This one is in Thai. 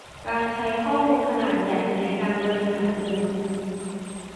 การใช้ข้อมูลขนาดใหญ่ในการบริหารเมือง